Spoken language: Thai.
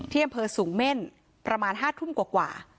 ที่อำเภอสูงเม่นประมาณห้าทุ่มกว่ากว่า